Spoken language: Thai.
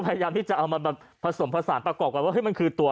พยายามที่จะเอามาผสมผสานประกอบกันว่ามันคือตัว